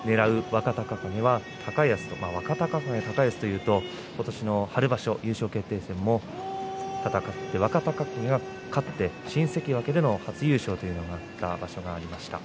若隆景、高安というとことしの春場所、優勝決定戦も若隆景が勝って新関脇での初優勝というのがあった場所がありました。